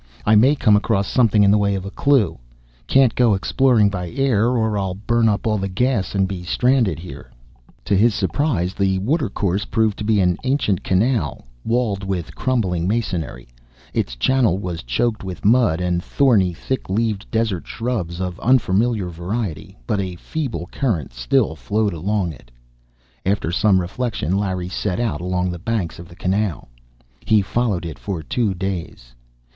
I may come across something in the way of a clue. Can't go exploring by air, or I'll burn up all the gas and be stranded here!" To his surprise, the water course proved to be an ancient canal, walled with crumbling masonry. Its channel was choked with mud and thorny, thick leaved desert shrubs of unfamiliar variety; but a feeble current still flowed along it. After some reflection, Larry set out along the banks of the canal. He followed it for two days.